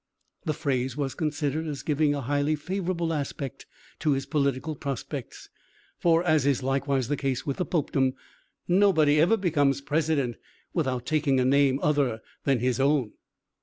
The phrase was considered as giving a highly favourable aspect to his political prospects; for, as is likewise the case with the Popedom, nobody ever becomes President without taking a name other than his own.